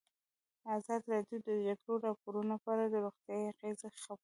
ازادي راډیو د د جګړې راپورونه په اړه د روغتیایي اغېزو خبره کړې.